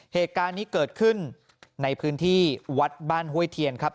เหตุการณ์นี้เกิดขึ้นในพื้นที่วัดบ้านห้วยเทียนครับ